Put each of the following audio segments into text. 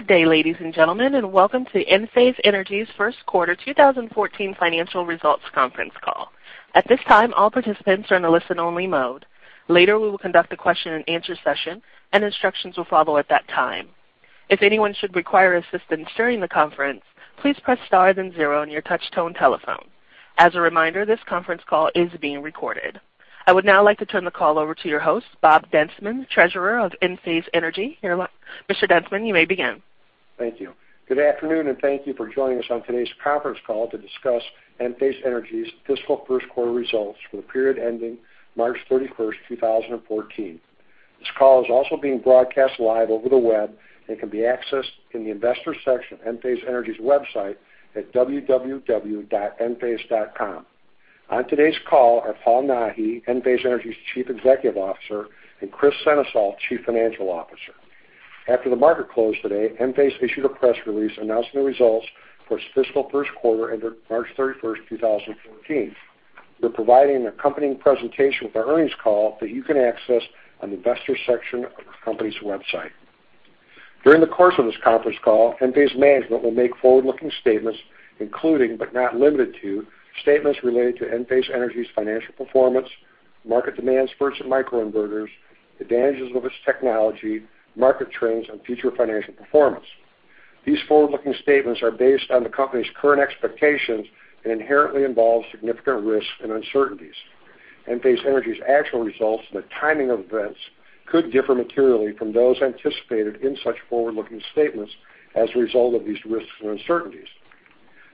Good day, ladies and gentlemen. Welcome to Enphase Energy's first quarter 2014 financial results conference call. At this time, all participants are in a listen-only mode. Later, we will conduct a question and answer session. Instructions will follow at that time. If anyone should require assistance during the conference, please press star then zero on your touch-tone telephone. As a reminder, this conference call is being recorded. I would now like to turn the call over to your host, Bob Brisco, Treasurer of Enphase Energy. Mr. Brisco, you may begin. Thank you. Good afternoon. Thank you for joining us on today's conference call to discuss Enphase Energy's fiscal first quarter results for the period ending March 31st, 2014. This call is also being broadcast live over the web and can be accessed in the investor section of Enphase Energy's website at www.enphase.com. On today's call are Paul Nahi, Enphase Energy's Chief Executive Officer, and Kris Sennesael, Chief Financial Officer. After the market closed today, Enphase issued a press release announcing the results for its fiscal first quarter ended March 31st, 2014. We're providing an accompanying presentation with our earnings call that you can access on the investor section of the company's website. During the course of this conference call, Enphase management will make forward-looking statements, including, but not limited to, statements related to Enphase Energy's financial performance, market demands for its microinverters, the advantages of its technology, market trends, and future financial performance. These forward-looking statements are based on the company's current expectations and inherently involve significant risks and uncertainties. Enphase Energy's actual results and the timing of events could differ materially from those anticipated in such forward-looking statements as a result of these risks and uncertainties.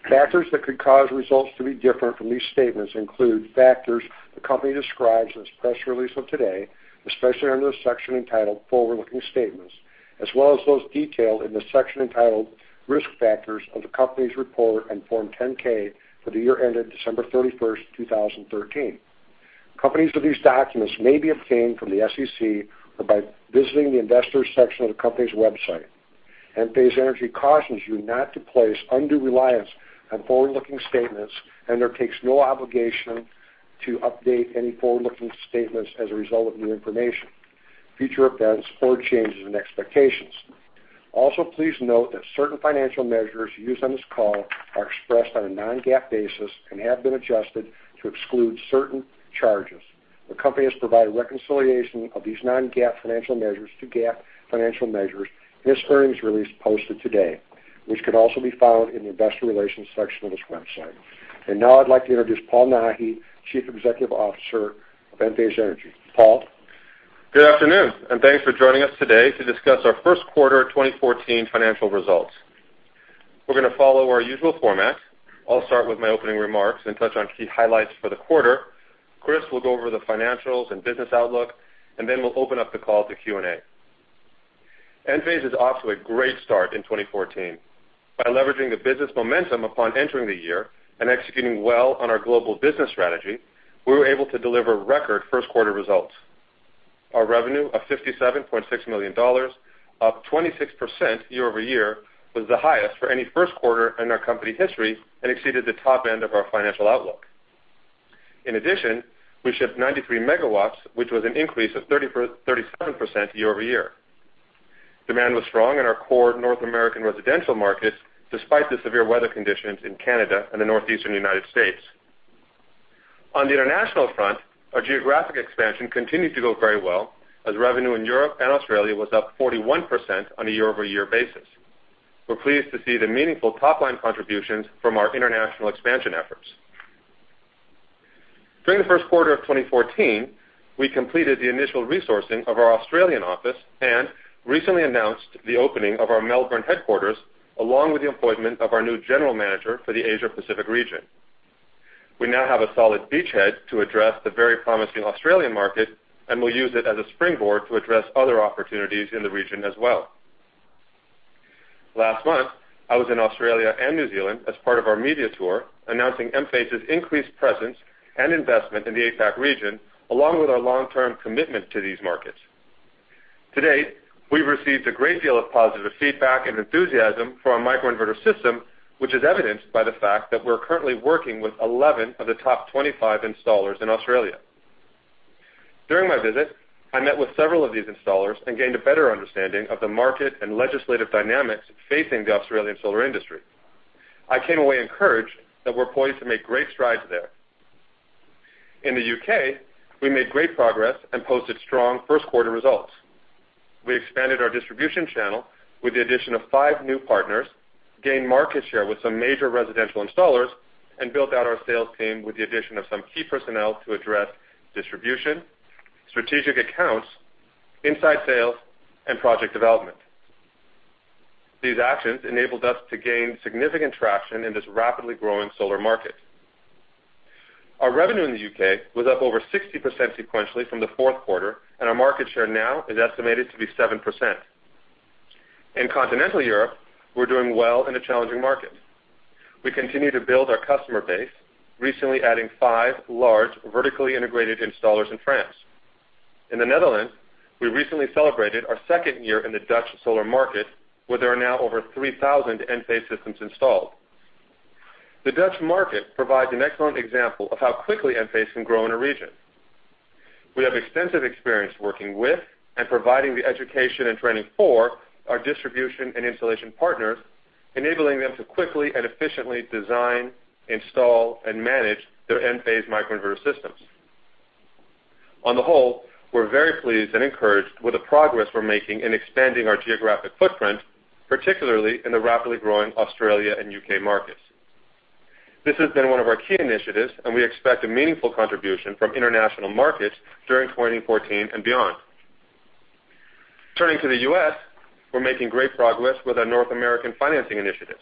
Factors that could cause results to be different from these statements include factors the company describes in its press release of today, especially under the section entitled Forward-Looking Statements, as well as those detailed in the section entitled Risk Factors of the company's report and Form 10-K for the year ended December 31st, 2013. Copies of these documents may be obtained from the SEC or by visiting the investors section of the company's website. Enphase Energy cautions you not to place undue reliance on forward-looking statements. Undertakes no obligation to update any forward-looking statements as a result of new information, future events or changes in expectations. Also, please note that certain financial measures used on this call are expressed on a non-GAAP basis and have been adjusted to exclude certain charges. The company has provided reconciliation of these non-GAAP financial measures to GAAP financial measures in its earnings release posted today, which can also be found in the investor relations section of its website. Now I'd like to introduce Paul Nahi, Chief Executive Officer of Enphase Energy. Paul. Good afternoon. Thanks for joining us today to discuss our first quarter 2014 financial results. We're going to follow our usual format. I'll start with my opening remarks and touch on key highlights for the quarter. Kris will go over the financials and business outlook. Then we'll open up the call to Q&A. Enphase is off to a great start in 2014. By leveraging the business momentum upon entering the year and executing well on our global business strategy, we were able to deliver record first quarter results. Our revenue of $57.6 million, up 26% year-over-year, was the highest for any first quarter in our company history and exceeded the top end of our financial outlook. In addition, we shipped 93 MW, which was an increase of 37% year-over-year. Demand was strong in our core North American residential markets, despite the severe weather conditions in Canada and the Northeastern United States. On the international front, our geographic expansion continued to go very well, as revenue in Europe and Australia was up 41% on a year-over-year basis. We're pleased to see the meaningful top-line contributions from our international expansion efforts. During the first quarter of 2014, we completed the initial resourcing of our Australian office and recently announced the opening of our Melbourne headquarters, along with the appointment of our new general manager for the Asia Pacific region. We now have a solid beachhead to address the very promising Australian market and will use it as a springboard to address other opportunities in the region as well. Last month, I was in Australia and New Zealand as part of our media tour announcing Enphase's increased presence and investment in the APAC region, along with our long-term commitment to these markets. To date, we've received a great deal of positive feedback and enthusiasm for our microinverter system, which is evidenced by the fact that we're currently working with 11 of the top 25 installers in Australia. During my visit, I met with several of these installers and gained a better understanding of the market and legislative dynamics facing the Australian solar industry. I came away encouraged that we're poised to make great strides there. In the U.K., we made great progress and posted strong first quarter results. We expanded our distribution channel with the addition of five new partners, gained market share with some major residential installers, and built out our sales team with the addition of some key personnel to address distribution, strategic accounts, inside sales, and project development. These actions enabled us to gain significant traction in this rapidly growing solar market. Our revenue in the U.K. was up over 60% sequentially from the fourth quarter. Our market share now is estimated to be 7%. In continental Europe, we're doing well in a challenging market. We continue to build our customer base, recently adding five large, vertically integrated installers in France. In the Netherlands, we recently celebrated our second year in the Dutch solar market, where there are now over 3,000 Enphase systems installed. The Dutch market provides an excellent example of how quickly Enphase can grow in a region. We have extensive experience working with and providing the education and training for our distribution and installation partners, enabling them to quickly and efficiently design, install, and manage their Enphase microinverter systems. On the whole, we're very pleased and encouraged with the progress we're making in expanding our geographic footprint, particularly in the rapidly growing Australia and U.K. markets. This has been one of our key initiatives, and we expect a meaningful contribution from international markets during 2014 and beyond. Turning to the U.S., we're making great progress with our North American financing initiatives.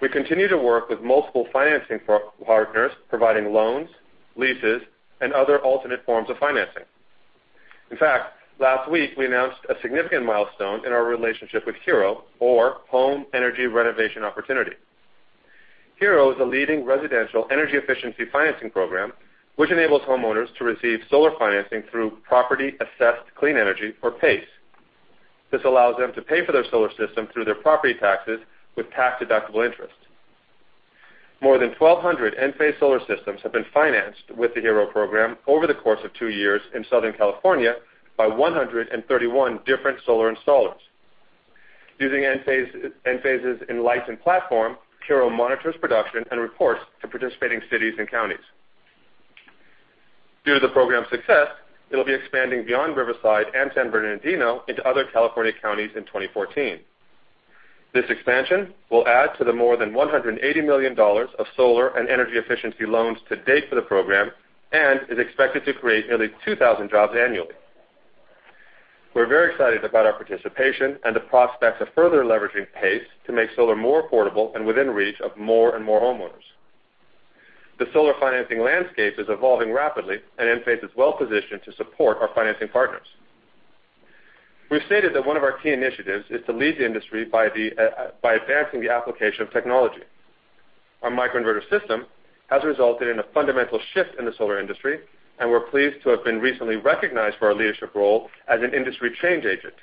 We continue to work with multiple financing partners, providing loans, leases, and other alternate forms of financing. In fact, last week we announced a significant milestone in our relationship with HERO, or Home Energy Renovation Opportunity. HERO is a leading residential energy efficiency financing program, which enables homeowners to receive solar financing through property assessed clean energy, or PACE. This allows them to pay for their solar system through their property taxes with tax-deductible interest. More than 1,200 Enphase solar systems have been financed with the HERO program over the course of two years in Southern California by 131 different solar installers. Using Enphase's Enlighten platform, HERO monitors production and reports to participating cities and counties. Due to the program's success, it'll be expanding beyond Riverside and San Bernardino into other California counties in 2014. This expansion will add to the more than $180 million of solar and energy efficiency loans to date for the program and is expected to create nearly 2,000 jobs annually. We're very excited about our participation and the prospects of further leveraging PACE to make solar more affordable and within reach of more and more homeowners. The solar financing landscape is evolving rapidly, and Enphase is well-positioned to support our financing partners. We've stated that one of our key initiatives is to lead the industry by advancing the application of technology. Our microinverter system has resulted in a fundamental shift in the solar industry, and we're pleased to have been recently recognized for our leadership role as an industry change agent.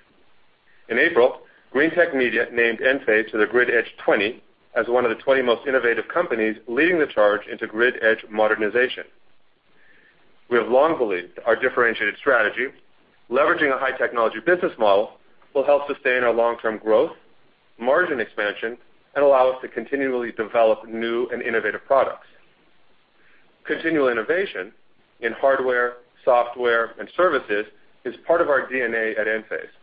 In April, Greentech Media named Enphase to the Grid Edge 20 as one of the 20 most innovative companies leading the charge into grid edge modernization. We have long believed that our differentiated strategy, leveraging a high-technology business model, will help sustain our long-term growth, margin expansion, and allow us to continually develop new and innovative products. Continual innovation in hardware, software, and services is part of our DNA at Enphase.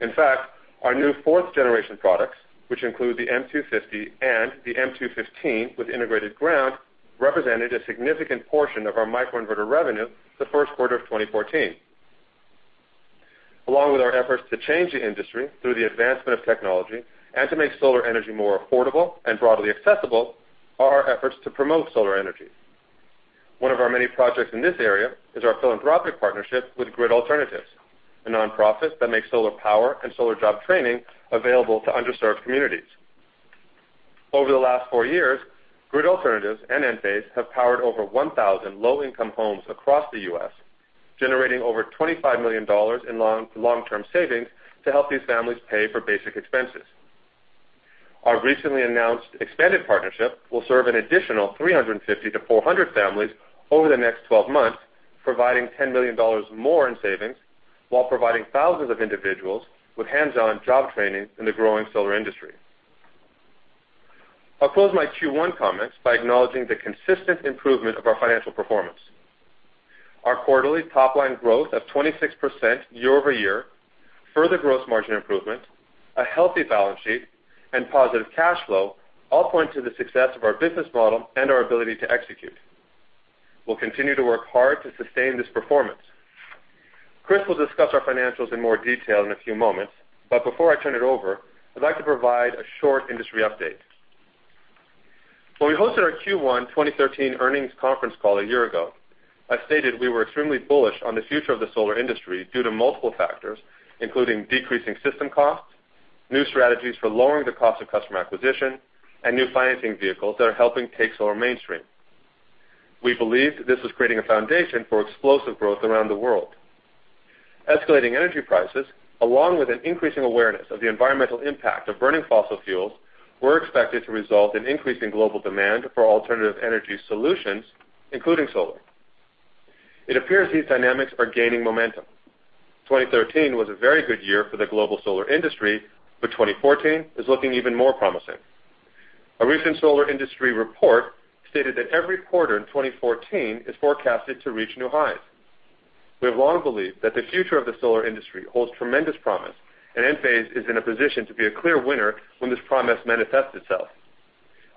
In fact, our new fourth-generation products, which include the M250 and the M215 with integrated ground, represented a significant portion of our microinverter revenue the first quarter of 2014. Along with our efforts to change the industry through the advancement of technology and to make solar energy more affordable and broadly accessible are our efforts to promote solar energy. One of our many projects in this area is our philanthropic partnership with GRID Alternatives, a nonprofit that makes solar power and solar job training available to underserved communities. Over the last four years, GRID Alternatives and Enphase have powered over 1,000 low-income homes across the U.S., generating over $25 million in long-term savings to help these families pay for basic expenses. Our recently announced expanded partnership will serve an additional 350 to 400 families over the next 12 months, providing $10 million more in savings while providing thousands of individuals with hands-on job training in the growing solar industry. I will close my Q1 comments by acknowledging the consistent improvement of our financial performance. Our quarterly top-line growth of 26% year-over-year, further gross margin improvement, a healthy balance sheet, and positive cash flow all point to the success of our business model and our ability to execute. We will continue to work hard to sustain this performance. Chris will discuss our financials in more detail in a few moments, before I turn it over, I would like to provide a short industry update. When we hosted our Q1 2013 earnings conference call a year ago, I stated we were extremely bullish on the future of the solar industry due to multiple factors, including decreasing system costs, new strategies for lowering the cost of customer acquisition, and new financing vehicles that are helping take solar mainstream. We believed this was creating a foundation for explosive growth around the world. Escalating energy prices, along with an increasing awareness of the environmental impact of burning fossil fuels, were expected to result in increasing global demand for alternative energy solutions, including solar. It appears these dynamics are gaining momentum. 2013 was a very good year for the global solar industry, 2014 is looking even more promising. A recent solar industry report stated that every quarter in 2014 is forecasted to reach new highs. We have long believed that the future of the solar industry holds tremendous promise, Enphase is in a position to be a clear winner when this promise manifests itself.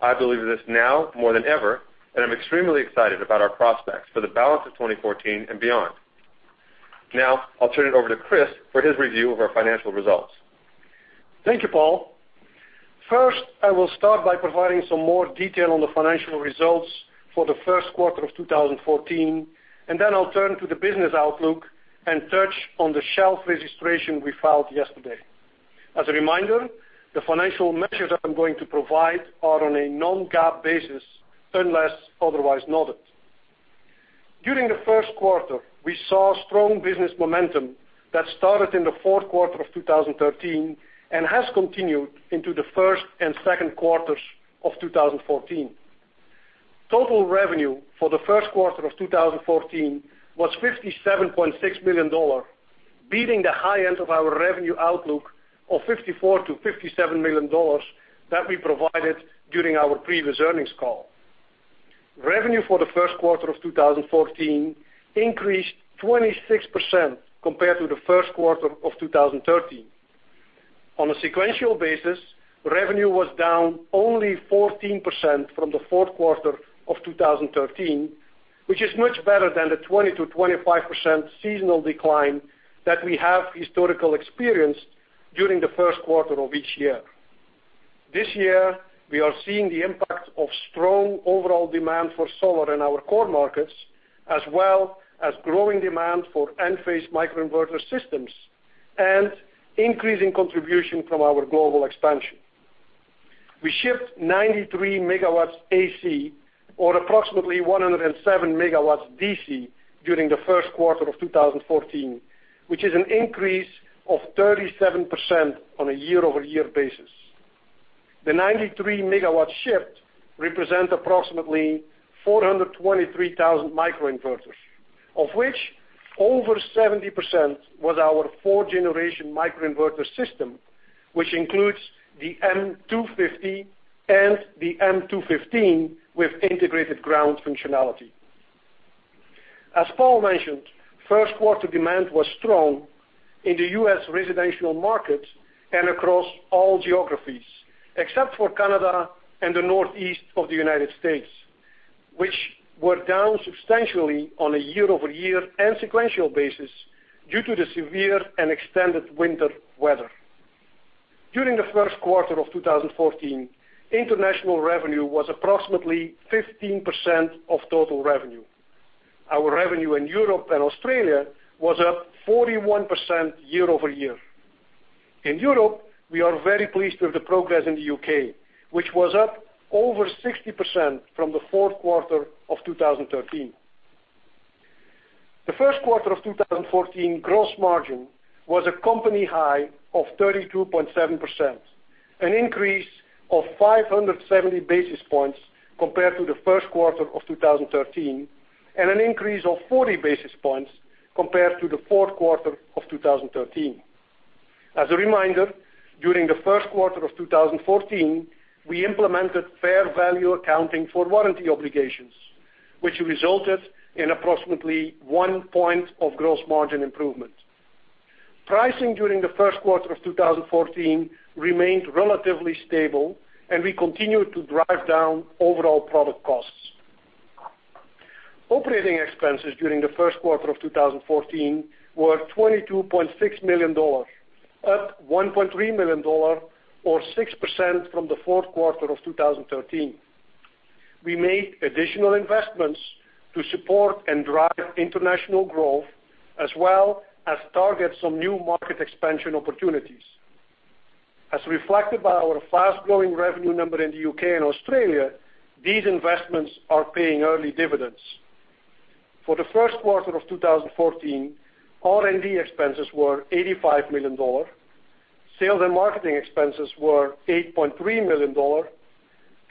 I believe this now more than ever, I am extremely excited about our prospects for the balance of 2014 and beyond. I will turn it over to Chris for his review of our financial results. Thank you, Paul. I will start by providing some more detail on the financial results for the first quarter of 2014, I will turn to the business outlook and touch on the shelf registration we filed yesterday. As a reminder, the financial measures I am going to provide are on a non-GAAP basis, unless otherwise noted. During the first quarter, we saw strong business momentum that started in the fourth quarter of 2013 and has continued into the first and second quarters of 2014. Total revenue for the first quarter of 2014 was $57.6 million, beating the high end of our revenue outlook of $54 million to $57 million that we provided during our previous earnings call. Revenue for the first quarter of 2014 increased 26% compared to the first quarter of 2013. On a sequential basis, revenue was down only 14% from the fourth quarter of 2013, which is much better than the 20%-25% seasonal decline that we have historical experience during the first quarter of each year. This year, we are seeing the impact of strong overall demand for solar in our core markets, as well as growing demand for Enphase microinverter systems and increasing contribution from our global expansion. We shipped 93 megawatts AC, or approximately 107 megawatts DC, during the first quarter of 2014, which is an increase of 37% on a year-over-year basis. The 93 megawatts shipped represent approximately 423,000 microinverters, of which over 70% was our fourth-generation microinverter system, which includes the M250 and the M215 with integrated ground functionality. As Paul mentioned, first quarter demand was strong in the U.S. residential market and across all geographies, except for Canada and the Northeast of the United States, which were down substantially on a year-over-year and sequential basis due to the severe and extended winter weather. During the first quarter of 2014, international revenue was approximately 15% of total revenue. Our revenue in Europe and Australia was up 41% year-over-year. In Europe, we are very pleased with the progress in the U.K., which was up over 60% from the fourth quarter of 2013. The first quarter of 2014 gross margin was a company high of 32.7%, an increase of 570 basis points compared to the first quarter of 2013, and an increase of 40 basis points compared to the fourth quarter of 2013. As a reminder, during the first quarter of 2014, we implemented fair value accounting for warranty obligations, which resulted in approximately one point of gross margin improvement. Pricing during the first quarter of 2014 remained relatively stable, and we continued to drive down overall product costs. Operating expenses during the first quarter of 2014 were $22.6 million, up $1.3 million or 6% from the fourth quarter of 2013. We made additional investments to support and drive international growth, as well as target some new market expansion opportunities. As reflected by our fast-growing revenue number in the U.K. and Australia, these investments are paying early dividends. For the first quarter of 2014, R&D expenses were $85 million, sales and marketing expenses were $8.3 million,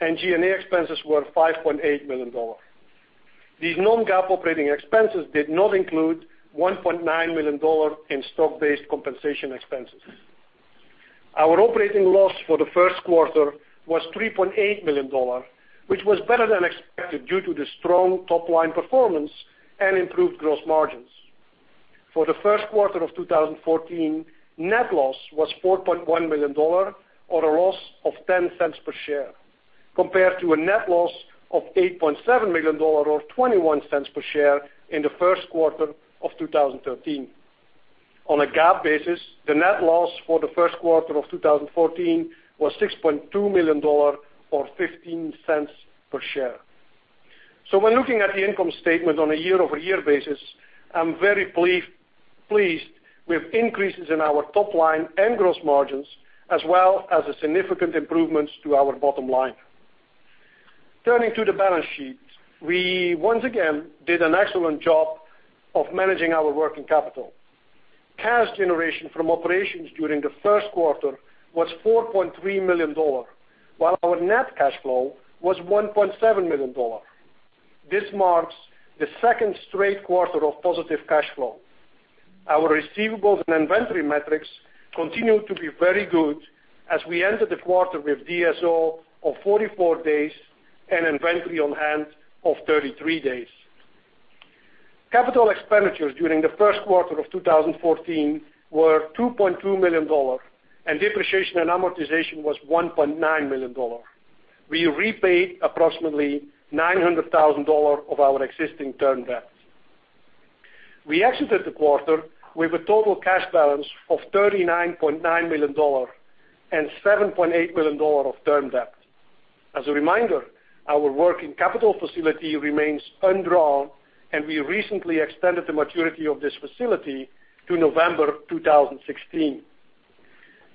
and G&A expenses were $5.8 million. These non-GAAP operating expenses did not include $1.9 million in stock-based compensation expenses. Our operating loss for the first quarter was $3.8 million, which was better than expected due to the strong top-line performance and improved gross margins. For the first quarter of 2014, net loss was $4.1 million, or a loss of $0.10 per share, compared to a net loss of $8.7 million or $0.21 per share in the first quarter of 2013. On a GAAP basis, the net loss for the first quarter of 2014 was $6.2 million or $0.15 per share. When looking at the income statement on a year-over-year basis, I'm very pleased with increases in our top line and gross margins, as well as the significant improvements to our bottom line. Turning to the balance sheet. We once again did an excellent job of managing our working capital. Cash generation from operations during the first quarter was $4.3 million, while our net cash flow was $1.7 million. This marks the second straight quarter of positive cash flow. Our receivables and inventory metrics continue to be very good as we enter the quarter with DSO of 44 days and inventory on hand of 33 days. Capital expenditures during the first quarter of 2014 were $2.2 million, and depreciation and amortization was $1.9 million. We repaid approximately $900,000 of our existing term debt. We exited the quarter with a total cash balance of $39.9 million and $7.8 million of term debt. As a reminder, our working capital facility remains undrawn. We recently extended the maturity of this facility to November 2016.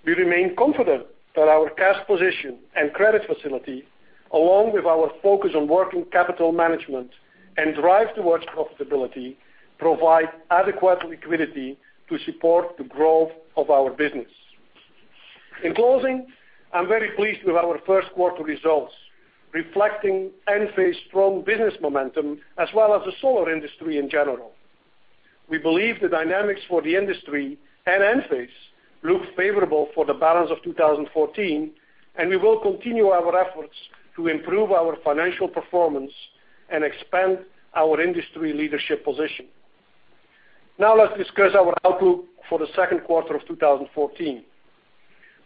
We remain confident that our cash position and credit facility, along with our focus on working capital management and drive towards profitability, provide adequate liquidity to support the growth of our business. In closing, I'm very pleased with our first quarter results, reflecting Enphase's strong business momentum as well as the solar industry in general. We believe the dynamics for the industry and Enphase look favorable for the balance of 2014. We will continue our efforts to improve our financial performance and expand our industry leadership position. Now let's discuss our outlook for the second quarter of 2014.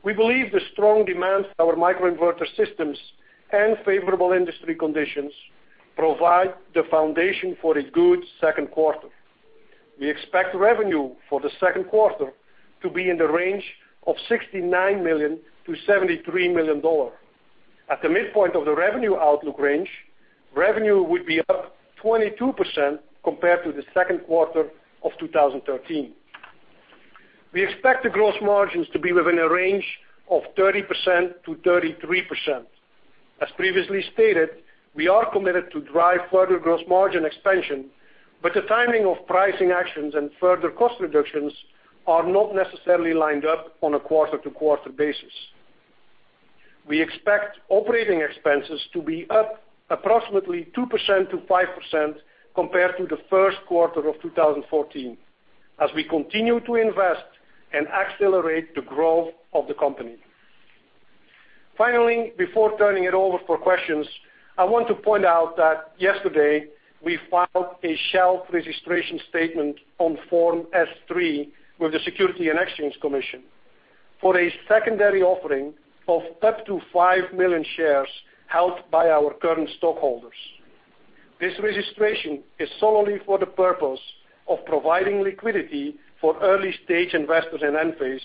We believe the strong demand for our microinverter systems and favorable industry conditions provide the foundation for a good second quarter. We expect revenue for the second quarter to be in the range of $69 million to $73 million. At the midpoint of the revenue outlook range, revenue would be up 22% compared to the second quarter of 2013. We expect the gross margins to be within a range of 30%-33%. As previously stated, we are committed to drive further gross margin expansion. The timing of pricing actions and further cost reductions are not necessarily lined up on a quarter-to-quarter basis. We expect operating expenses to be up approximately 2%-5% compared to the first quarter of 2014, as we continue to invest and accelerate the growth of the company. Finally, before turning it over for questions, I want to point out that yesterday, we filed a shelf registration statement on Form S-3 with the Securities and Exchange Commission for a secondary offering of up to 5 million shares held by our current stockholders. This registration is solely for the purpose of providing liquidity for early-stage investors in Enphase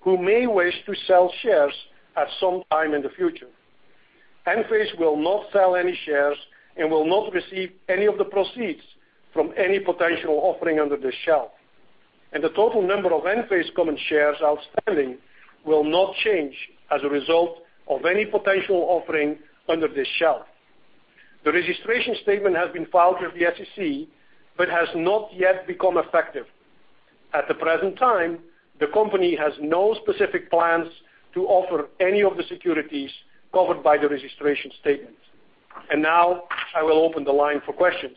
who may wish to sell shares at some time in the future. Enphase will not sell any shares and will not receive any of the proceeds from any potential offering under this shelf. The total number of Enphase common shares outstanding will not change as a result of any potential offering under this shelf. The registration statement has been filed with the SEC but has not yet become effective. At the present time, the company has no specific plans to offer any of the securities covered by the registration statement. Now I will open the line for questions.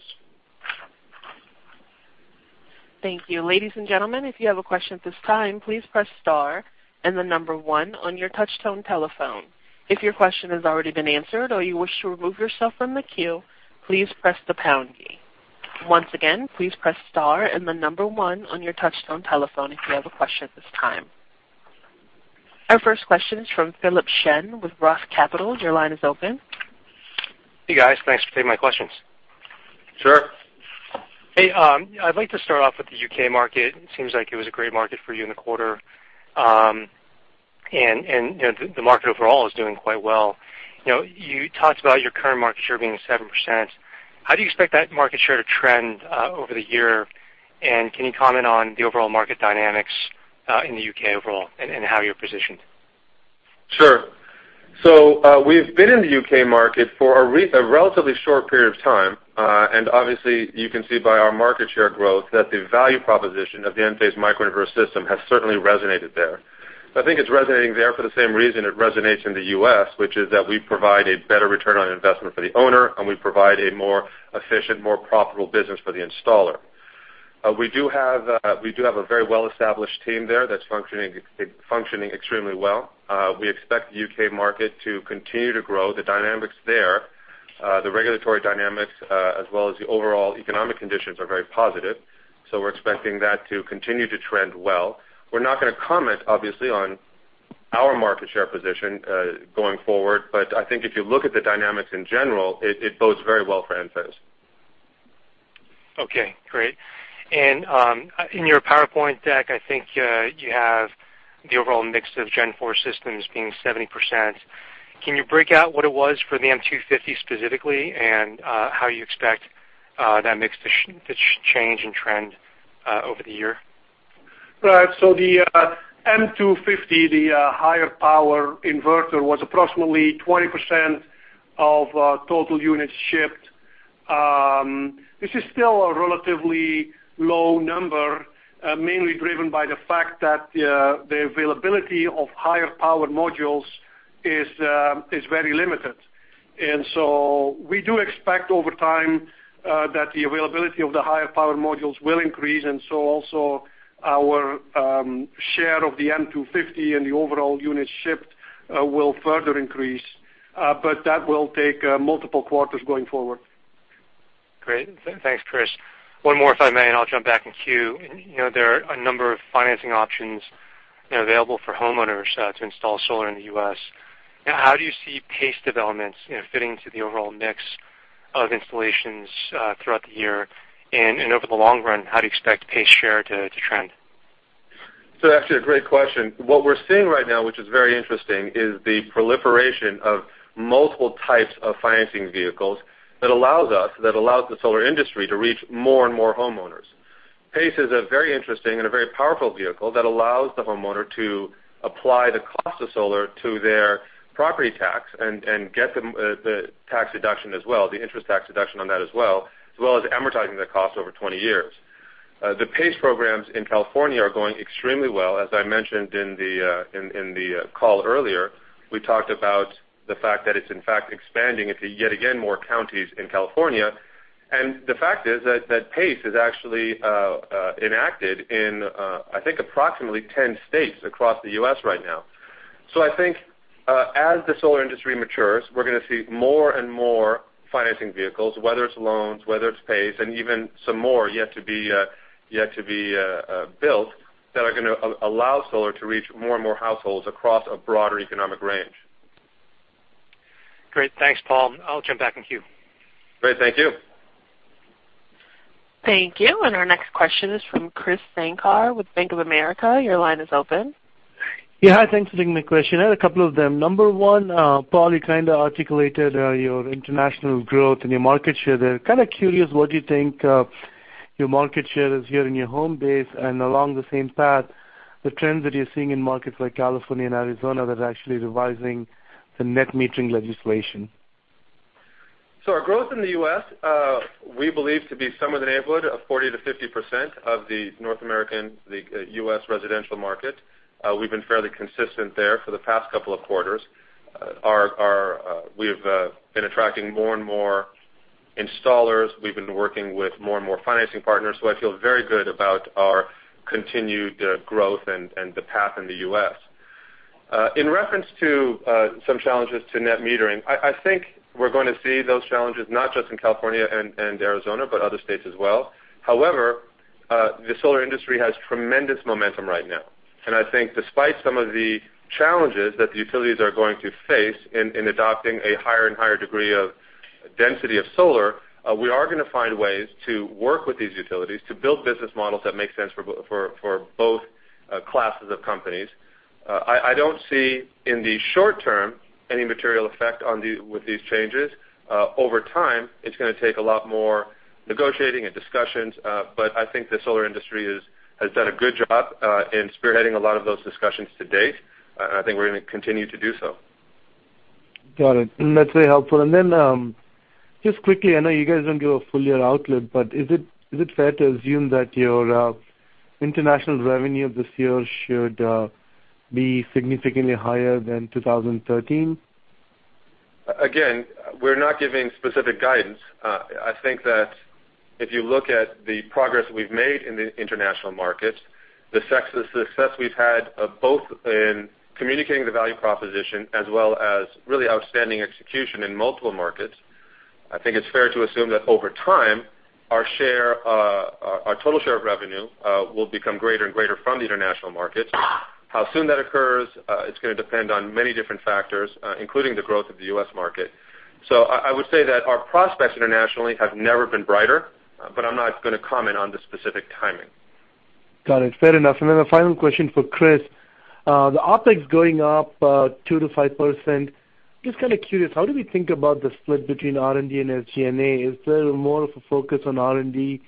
Thank you. Ladies and gentlemen, if you have a question at this time, please press star and the number one on your touchtone telephone. If your question has already been answered or you wish to remove yourself from the queue, please press the pound key. Once again, please press star and the number one on your touchtone telephone if you have a question at this time. Our first question is from Philip Shen with ROTH Capital Partners. Your line is open. Hey, guys. Thanks for taking my questions. Sure. Hey, I'd like to start off with the U.K. market. It seems like it was a great market for you in the quarter. The market overall is doing quite well. You talked about your current market share being 7%. How do you expect that market share to trend over the year? Can you comment on the overall market dynamics, in the U.K. overall and how you're positioned? Sure. We've been in the U.K. market for a relatively short period of time. Obviously, you can see by our market share growth that the value proposition of the Enphase microinverter system has certainly resonated there. I think it's resonating there for the same reason it resonates in the U.S., which is that we provide a better return on investment for the owner, and we provide a more efficient, more profitable business for the installer. We do have a very well-established team there that's functioning extremely well. We expect the U.K. market to continue to grow. The dynamics there, the regulatory dynamics, as well as the overall economic conditions are very positive. We're expecting that to continue to trend well. We're not going to comment, obviously, on our market share position going forward. I think if you look at the dynamics in general, it bodes very well for Enphase. Okay, great. In your PowerPoint deck, I think you have the overall mix of fourth-generation systems being 70%. Can you break out what it was for the M250 specifically and how you expect that mix to change and trend over the year? Right. The M250, the higher power inverter, was approximately 20% of total units shipped. This is still a relatively low number, mainly driven by the fact that the availability of higher power modules is very limited. We do expect over time, that the availability of the higher power modules will increase, and so also our share of the M250 and the overall units shipped will further increase. That will take multiple quarters going forward. Great. Thanks, Kris. One more, if I may, I'll jump back in queue. There are a number of financing options available for homeowners to install solar in the U.S. How do you see PACE developments fitting into the overall mix of installations throughout the year? Over the long run, how do you expect PACE share to trend? Actually, a great question. What we're seeing right now, which is very interesting, is the proliferation of multiple types of financing vehicles that allows us, that allows the solar industry to reach more and more homeowners. PACE is a very interesting and a very powerful vehicle that allows the homeowner to apply the cost of solar to their property tax and get the tax deduction as well, the interest tax deduction on that as well, as well as amortizing that cost over 20 years. The PACE programs in California are going extremely well. As I mentioned in the call earlier, we talked about the fact that it's in fact expanding into yet again more counties in California. The fact is that PACE is actually enacted in, I think, approximately 10 states across the U.S. right now. I think, as the solar industry matures, we're going to see more and more financing vehicles, whether it's loans, whether it's PACE, even some more yet to be built, that are going to allow solar to reach more and more households across a broader economic range. Great. Thanks, Paul. I'll jump back in queue. Great. Thank you. Thank you. Our next question is from Krish Sankar with Bank of America. Your line is open. Thanks for taking my question. I had a couple of them. Number one, Paul, you kind of articulated your international growth and your market share there. Curious what you think your market share is here in your home base and along the same path, the trends that you're seeing in markets like California and Arizona that are actually revising the net metering legislation. Our growth in the U.S., we believe to be somewhere in the neighborhood of 40%-50% of the North American, the U.S. residential market. We've been fairly consistent there for the past couple of quarters. We've been attracting more and more installers. We've been working with more and more financing partners. I feel very good about our continued growth and the path in the U.S. In reference to some challenges to net metering, I think we're going to see those challenges not just in California and Arizona, but other states as well. I think the solar industry has tremendous momentum right now, despite some of the challenges that the utilities are going to face in adopting a higher and higher degree of density of solar, we are going to find ways to work with these utilities to build business models that make sense for both classes of companies. I don't see, in the short term, any material effect with these changes. Over time, it's going to take a lot more negotiating and discussions, I think the solar industry has done a good job in spearheading a lot of those discussions to date, I think we're going to continue to do so. Got it. That's very helpful. Just quickly, I know you guys don't give a full year outlook, is it fair to assume that your international revenue this year should be significantly higher than 2013? Again, we're not giving specific guidance. I think that if you look at the progress we've made in the international markets, the success we've had of both in communicating the value proposition as well as really outstanding execution in multiple markets, I think it's fair to assume that over time, our total share of revenue will become greater and greater from the international markets. How soon that occurs, it's going to depend on many different factors, including the growth of the U.S. market. I would say that our prospects internationally have never been brighter, I'm not going to comment on the specific timing. Got it. Fair enough. A final question for Kris. The OpEx going up 2%-5%. Just kind of curious, how do we think about the split between R&D and SG&A? Is there more of a focus on R&D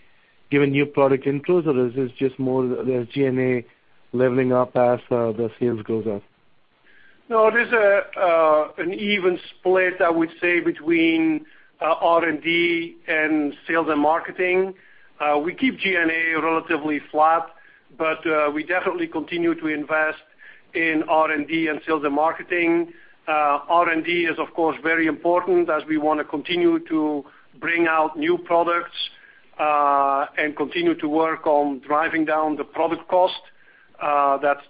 given new product intros, is this just more the SG&A leveling up as the sales goes up? No, it is an even split, I would say, between R&D and sales and marketing. We keep G&A relatively flat, but we definitely continue to invest in R&D and sales and marketing. R&D is, of course, very important as we want to continue to bring out new products, and continue to work on driving down the product cost. That's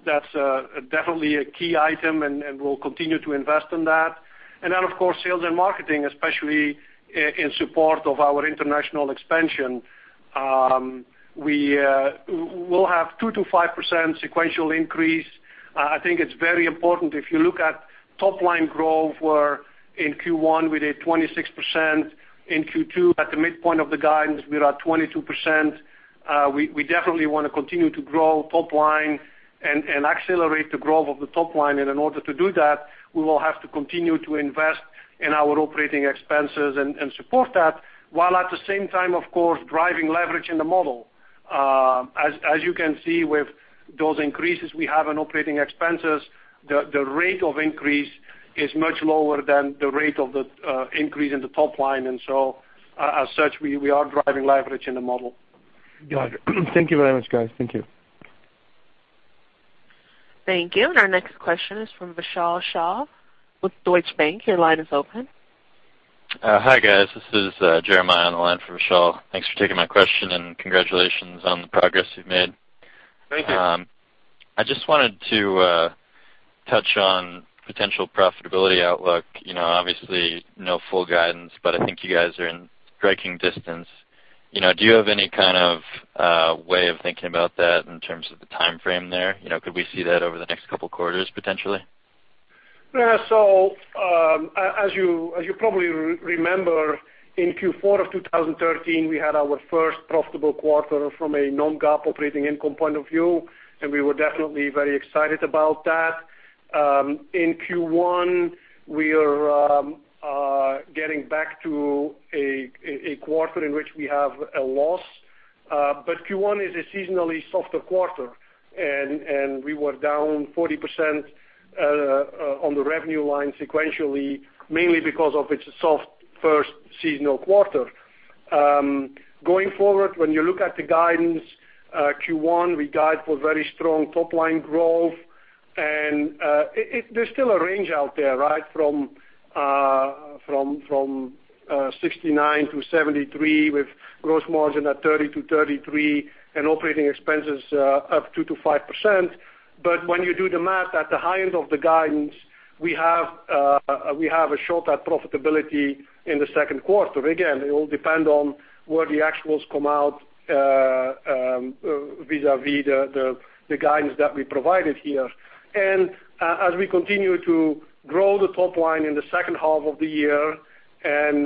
definitely a key item, and we'll continue to invest in that. Of course, sales and marketing, especially in support of our international expansion. We'll have 2%-5% sequential increase. I think it's very important if you look at top-line growth, where in Q1 we did 26%, in Q2 at the midpoint of the guidance, we are at 22%. We definitely want to continue to grow top line and accelerate the growth of the top line. In order to do that, we will have to continue to invest in our operating expenses and support that, while at the same time, of course, driving leverage in the model. As you can see with those increases we have in operating expenses, the rate of increase is much lower than the rate of the increase in the top line, as such, we are driving leverage in the model. Got it. Thank you very much, guys. Thank you. Thank you. Our next question is from Vishal Shah with Deutsche Bank. Your line is open. Hi, guys. This is Jerimiah on the line for Vishal. Thanks for taking my question and congratulations on the progress you've made. Thank you. I just wanted to touch on potential profitability outlook. Obviously, no full guidance, I think you guys are in striking distance. Do you have any kind of way of thinking about that in terms of the timeframe there? Could we see that over the next couple of quarters, potentially? As you probably remember, in Q4 2013, we had our first profitable quarter from a non-GAAP operating income point of view, we were definitely very excited about that. In Q1, we are getting back to a quarter in which we have a loss Q1 is a seasonally softer quarter, we were down 40% on the revenue line sequentially, mainly because of its soft first seasonal quarter. Going forward, when you look at the guidance Q1, we guide for very strong top-line growth. There's still a range out there. From $69 million-$73 million with gross margin at 30%-33% and operating expenses up 2%-5%. When you do the math, at the high end of the guidance, we have a shot at profitability in the second quarter. Again, it will depend on where the actuals come out vis-a-vis the guidance that we provided here. As we continue to grow the top line in the second half of the year, and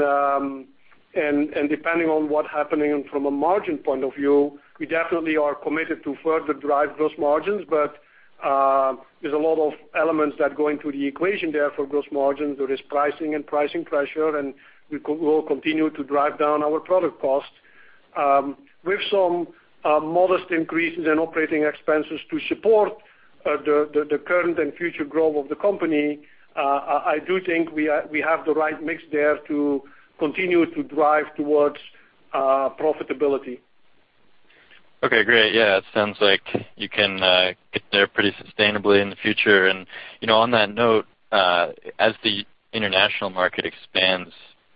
depending on what's happening from a margin point of view, we definitely are committed to further drive those margins. There is a lot of elements that go into the equation there for gross margins. There is pricing and pricing pressure, and we will continue to drive down our product costs. With some modest increases in operating expenses to support the current and future growth of the company, I do think we have the right mix there to continue to drive towards profitability. Okay, great. Yeah, it sounds like you can get there pretty sustainably in the future. On that note, as the international market expands,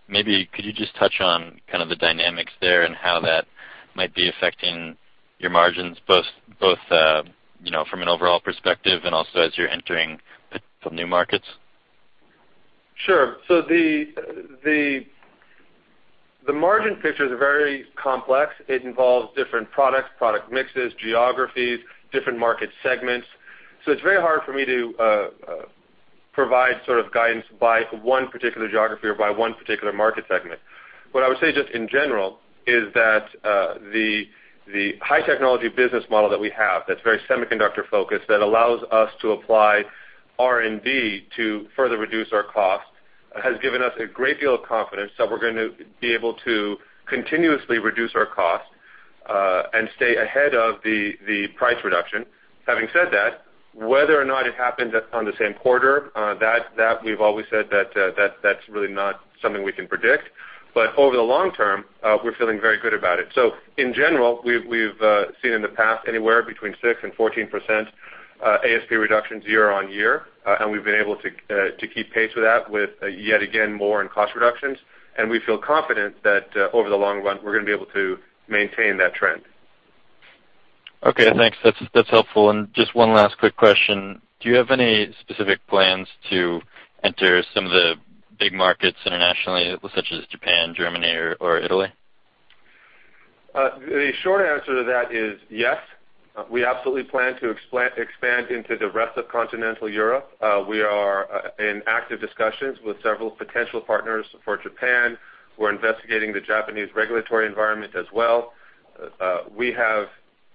maybe could you just touch on kind of the dynamics there and how that might be affecting your margins, both from an overall perspective and also as you're entering some new markets? Sure. The margin pictures are very complex. It involves different products, product mixes, geographies, different market segments. It's very hard for me to provide sort of guidance by one particular geography or by one particular market segment. What I would say, just in general, is that the high technology business model that we have, that's very semiconductor-focused, that allows us to apply R&D to further reduce our cost, has given us a great deal of confidence that we're going to be able to continuously reduce our cost, and stay ahead of the price reduction. Having said that, whether or not it happened on the same quarter, we've always said that that's really not something we can predict. Over the long term, we're feeling very good about it. In general, we've seen in the past anywhere between 6%-14% ASP reductions year-on-year. We've been able to keep pace with that, with yet again, more in cost reductions. We feel confident that over the long run, we're going to be able to maintain that trend. Okay, thanks. That's helpful. Just one last quick question. Do you have any specific plans to enter some of the big markets internationally, such as Japan, Germany, or Italy? The short answer to that is yes. We absolutely plan to expand into the rest of continental Europe. We are in active discussions with several potential partners for Japan. We're investigating the Japanese regulatory environment as well. We have,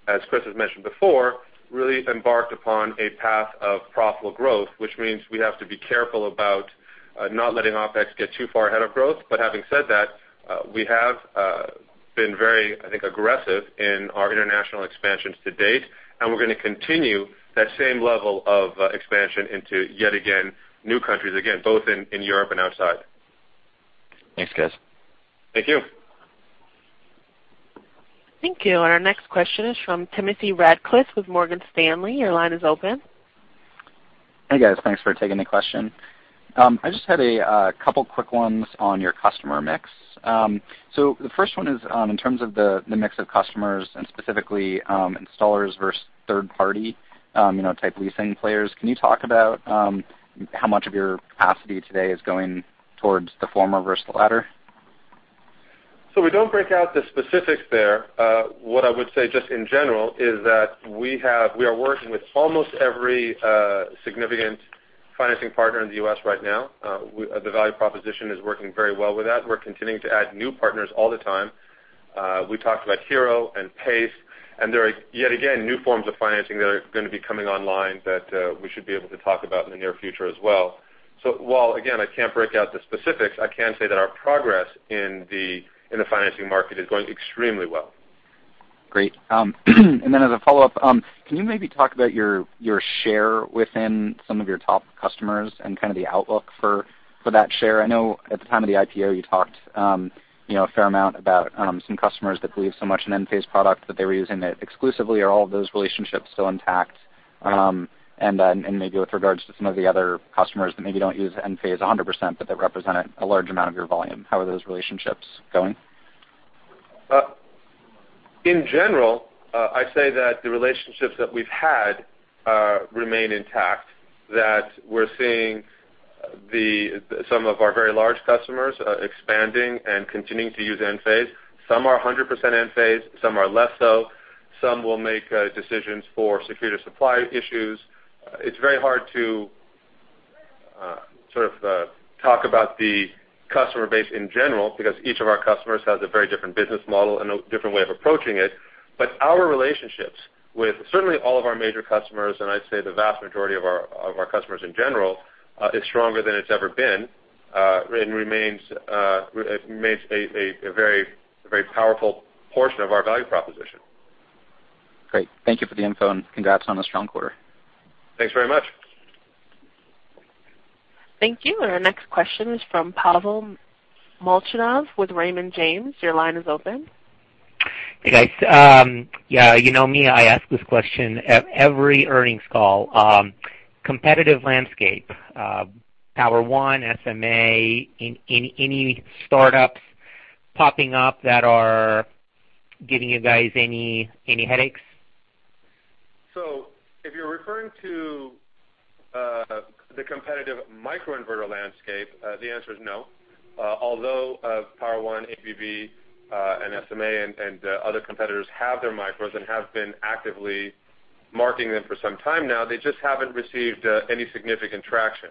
as Kris has mentioned before, really embarked upon a path of profitable growth, which means we have to be careful about not letting OpEx get too far ahead of growth. Having said that, we have been very, I think, aggressive in our international expansions to date, and we're going to continue that same level of expansion into, yet again, new countries, again, both in Europe and outside. Thanks, guys. Thank you. Thank you. Our next question is from Timothy Arcuri with Morgan Stanley. Your line is open. Hey, guys. Thanks for taking the question. I just had a couple quick ones on your customer mix. The first one is in terms of the mix of customers and specifically installers versus third-party type leasing players. Can you talk about how much of your capacity today is going towards the former versus the latter? We don't break out the specifics there. What I would say, just in general, is that we are working with almost every significant financing partner in the U.S. right now. The value proposition is working very well with that. We're continuing to add new partners all the time. We talked about HERO and PACE, and there are, yet again, new forms of financing that are going to be coming online that we should be able to talk about in the near future as well. While, again, I can't break out the specifics, I can say that our progress in the financing market is going extremely well. Great. As a follow-up, can you maybe talk about your share within some of your top customers and kind of the outlook for that share? I know at the time of the IPO, you talked a fair amount about some customers that believed so much in Enphase product that they were using it exclusively. Are all of those relationships still intact? Maybe with regards to some of the other customers that maybe don't use Enphase 100%, but that represent a large amount of your volume, how are those relationships going? In general, I say that the relationships that we've had remain intact, that we're seeing some of our very large customers expanding and continuing to use Enphase. Some are 100% Enphase, some are less so. Some will make decisions for security supply issues. It's very hard to sort of talk about the customer base in general, because each of our customers has a very different business model and a different way of approaching it. Our relationships with certainly all of our major customers, and I'd say the vast majority of our customers in general, is stronger than it's ever been. Remains a very powerful portion of our value proposition. Great. Thank you for the info, congrats on a strong quarter. Thanks very much. Thank you. Our next question is from Pavel Molchanov with Raymond James. Your line is open. Hey, guys. You know me, I ask this question at every earnings call. Competitive landscape. Power-One, SMA, any startups popping up that are giving you guys any headaches? If you're referring to the competitive microinverter landscape, the answer is no. Although Power-One, ABB, and SMA and other competitors have their micros and have been actively marketing them for some time now, they just haven't received any significant traction.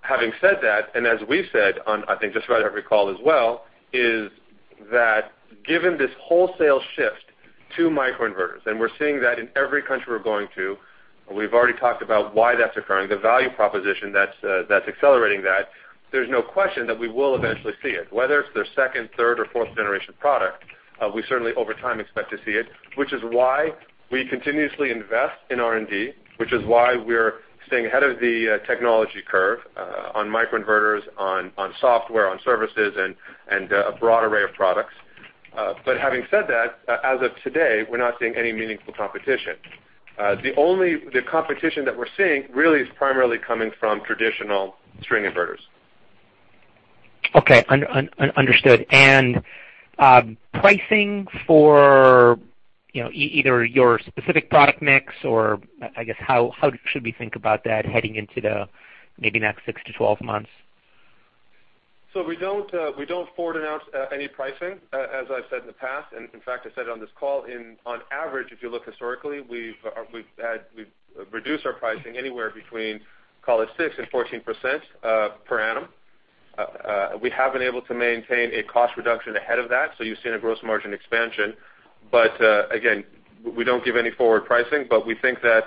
Having said that, as we've said on, I think just about every call as well, is that given this wholesale shift to microinverters, and we're seeing that in every country we're going to, we've already talked about why that's occurring, the value proposition that's accelerating that, there's no question that we will eventually see it. Whether it's their second, third, or fourth-generation product, we certainly over time expect to see it, which is why we continuously invest in R&D, which is why we're staying ahead of the technology curve, on microinverters, on software, on services, and a broad array of products. Having said that, as of today, we're not seeing any meaningful competition. The competition that we're seeing really is primarily coming from traditional string inverters. Okay. Understood. Pricing for either your specific product mix or, I guess, how should we think about that heading into the maybe next six to 12 months? We don't forward announce any pricing, as I've said in the past, and in fact, I said on this call. On average, if you look historically, we've reduced our pricing anywhere between, call it 6% and 14% per annum. We have been able to maintain a cost reduction ahead of that, so you've seen a gross margin expansion. Again, we don't give any forward pricing, but we think that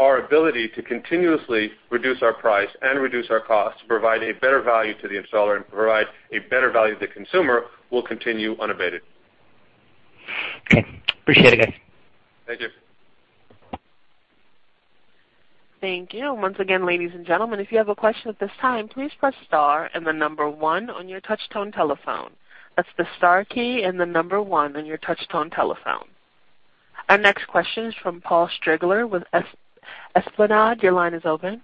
our ability to continuously reduce our price and reduce our costs, provide a better value to the installer, and provide a better value to the consumer will continue unabated. Okay. Appreciate it, guys. Thank you. Thank you. Once again, ladies and gentlemen, if you have a question at this time, please press star and the number one on your touch tone telephone. That's the star key and the number one on your touch tone telephone. Our next question is from Paul Coster with Esplanade. Your line is open.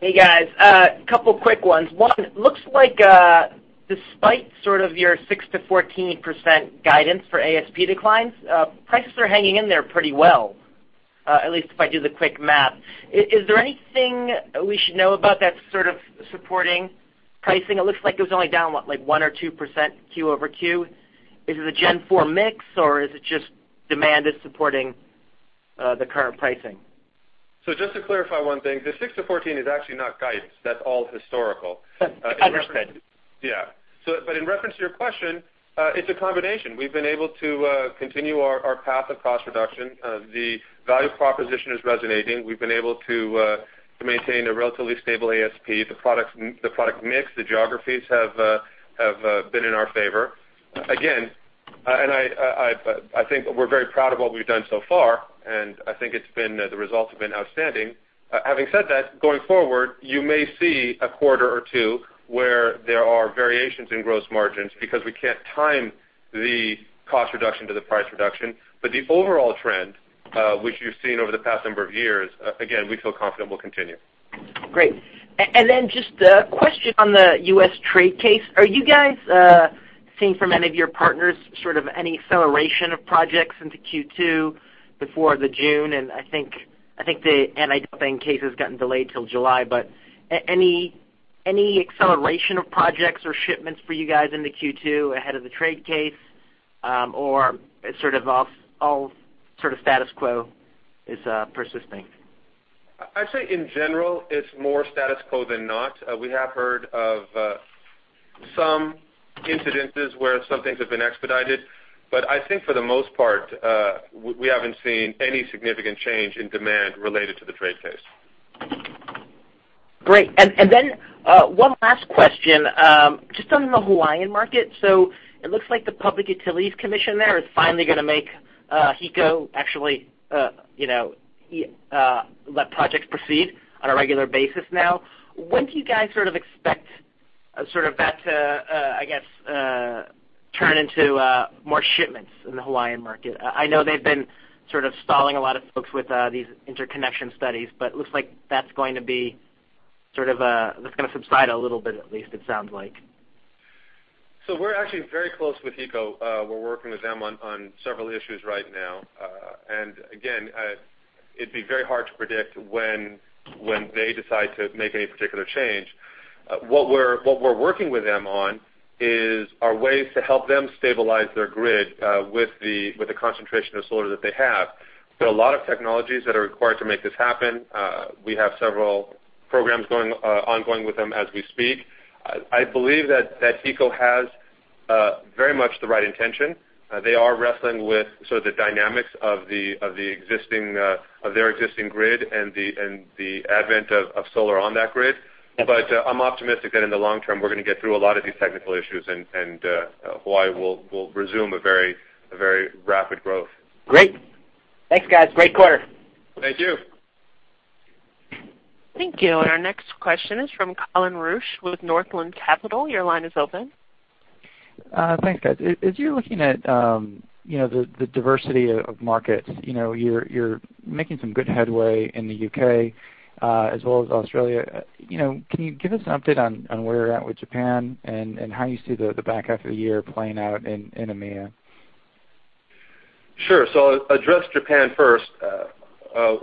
Hey, guys. Couple quick ones. One, looks like despite sort of your 6%-14% guidance for ASP declines, prices are hanging in there pretty well, at least if I do the quick math. Is there anything we should know about that sort of supporting pricing? It looks like it was only down, what, like 1% or 2% Q over Q. Is it a Gen 4 mix or is it just demand is supporting the current pricing? Just to clarify one thing, the 6%-14% is actually not guidance. That's all historical. Understood. Yeah. In reference to your question, it's a combination. We've been able to continue our path of cost reduction. The value proposition is resonating. We've been able to maintain a relatively stable ASP. The product mix, the geographies have been in our favor. Again, I think we're very proud of what we've done so far, and I think the results have been outstanding. Having said that, going forward, you may see a quarter or two where there are variations in gross margins because we can't time the cost reduction to the price reduction. The overall trend, which you've seen over the past number of years, again, we feel confident will continue. Great. Then just a question on the U.S. trade case. Are you guys seeing from any of your partners sort of any acceleration of projects into Q2 before the June, and I think the anti-dumping case has gotten delayed till July, but any acceleration of projects or shipments for you guys into Q2 ahead of the trade case, or sort of all status quo is persisting? I'd say in general, it's more status quo than not. We have heard of some incidents where some things have been expedited, I think for the most part, we haven't seen any significant change in demand related to the trade case. Great. Then one last question, just on the Hawaiian market. It looks like the Public Utilities Commission there is finally going to make HECO actually let projects proceed on a regular basis now. When do you guys sort of expect that to, I guess, turn into more shipments in the Hawaiian market? I know they've been sort of stalling a lot of folks with these interconnection studies, it looks like that's going to subside a little bit, at least it sounds like. We're actually very close with HECO. We're working with them on several issues right now. Again, it'd be very hard to predict when they decide to make any particular change. What we're working with them on is our ways to help them stabilize their grid with the concentration of solar that they have. There are a lot of technologies that are required to make this happen. We have several programs ongoing with them as we speak. I believe that HECO has very much the right intention. They are wrestling with the dynamics of their existing grid and the advent of solar on that grid. I'm optimistic that in the long term, we're going to get through a lot of these technical issues, and Hawaii will resume a very rapid growth. Great. Thanks, guys. Great quarter. Thank you. Thank you. Our next question is from Colin Rusch with Northland Capital. Your line is open. Thanks, guys. As you're looking at the diversity of markets, you're making some good headway in the U.K. as well as Australia. Can you give us an update on where you're at with Japan and how you see the back half of the year playing out in EMEA? Sure. I'll address Japan first. As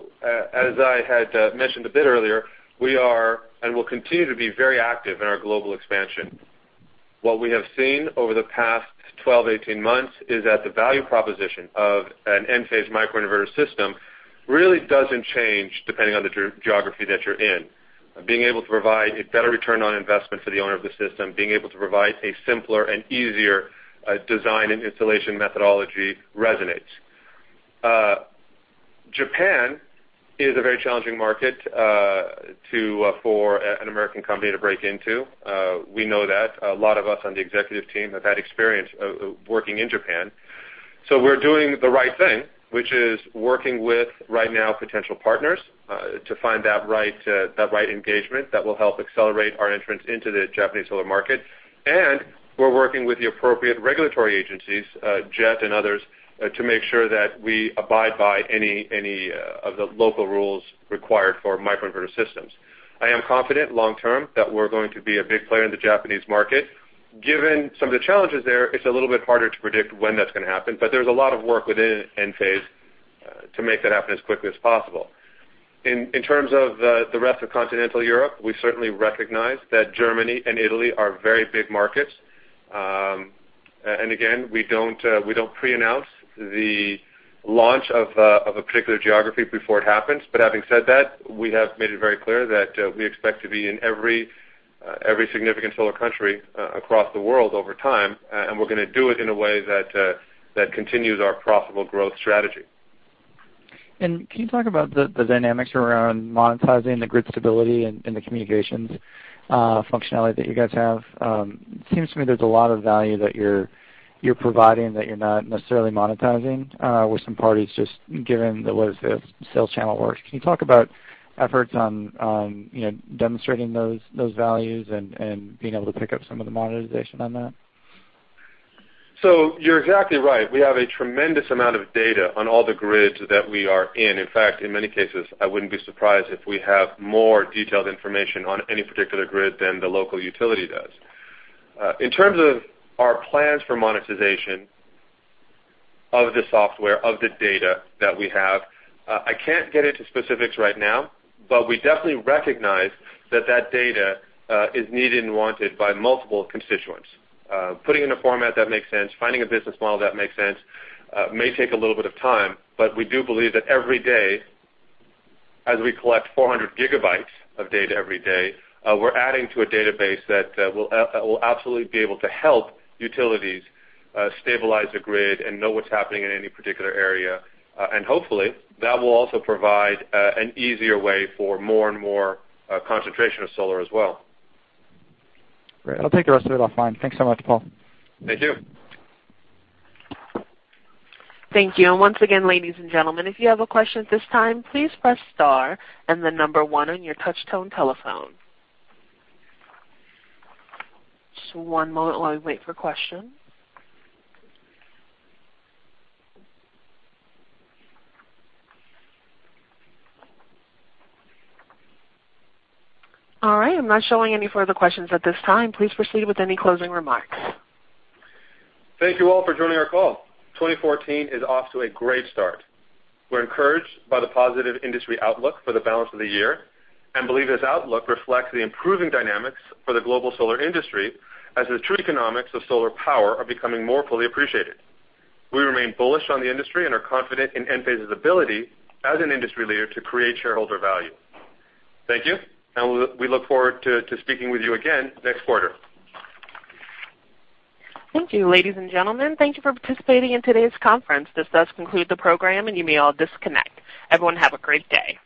I had mentioned a bit earlier, we are and will continue to be very active in our global expansion. What we have seen over the past 12, 18 months is that the value proposition of an Enphase microinverter system really doesn't change depending on the geography that you're in. Being able to provide a better return on investment for the owner of the system, being able to provide a simpler and easier design and installation methodology resonates. Japan is a very challenging market for an American company to break into. We know that. A lot of us on the executive team have had experience working in Japan. We're doing the right thing, which is working with, right now, potential partners to find that right engagement that will help accelerate our entrance into the Japanese solar market. We're working with the appropriate regulatory agencies, JET and others, to make sure that we abide by any of the local rules required for microinverter systems. I am confident long term that we're going to be a big player in the Japanese market. Given some of the challenges there, it's a little bit harder to predict when that's going to happen. There's a lot of work within Enphase to make that happen as quickly as possible. In terms of the rest of continental Europe, we certainly recognize that Germany and Italy are very big markets. Again, we don't pre-announce the launch of a particular geography before it happens. Having said that, we have made it very clear that we expect to be in every significant solar country across the world over time, and we're going to do it in a way that continues our profitable growth strategy. Can you talk about the dynamics around monetizing the grid stability and the communications functionality that you guys have? It seems to me there's a lot of value that you're providing that you're not necessarily monetizing with some parties, just given the way the sales channel works. Can you talk about efforts on demonstrating those values and being able to pick up some of the monetization on that? You're exactly right. We have a tremendous amount of data on all the grids that we are in. In fact, in many cases, I wouldn't be surprised if we have more detailed information on any particular grid than the local utility does. In terms of our plans for monetization of the software, of the data that we have, I can't get into specifics right now, but we definitely recognize that data is needed and wanted by multiple constituents. Putting in a format that makes sense, finding a business model that makes sense may take a little bit of time, but we do believe that every day, as we collect 400 gigabytes of data every day, we're adding to a database that will absolutely be able to help utilities stabilize the grid and know what's happening in any particular area. Hopefully, that will also provide an easier way for more and more concentration of solar as well. Great. I'll take the rest of it offline. Thanks so much, Paul. Thank you. Thank you. Once again, ladies and gentlemen, if you have a question at this time, please press star and then number 1 on your touch-tone telephone. Just one moment while we wait for questions. All right. I'm not showing any further questions at this time. Please proceed with any closing remarks. Thank you all for joining our call. 2014 is off to a great start. We're encouraged by the positive industry outlook for the balance of the year and believe this outlook reflects the improving dynamics for the global solar industry as the true economics of solar power are becoming more fully appreciated. We remain bullish on the industry and are confident in Enphase's ability as an industry leader to create shareholder value. Thank you, and we look forward to speaking with you again next quarter. Thank you. Ladies and gentlemen, thank you for participating in today's conference. This does conclude the program, and you may all disconnect. Everyone have a great day.